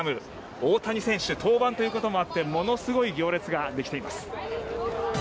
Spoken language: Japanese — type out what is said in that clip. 大谷選手登板ということもあってものすごい行列ができています。